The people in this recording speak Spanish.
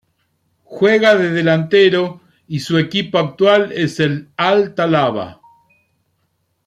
Juega de delantero y su equipo actual es el Al-Talaba.